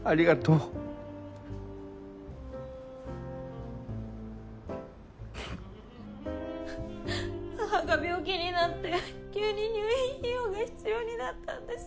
うっ母が病気になって急に入院費用が必要になったんです。